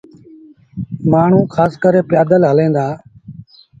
مآڻهوٚٚݩ کآس ڪري پيٚآدل هليݩ دآ۔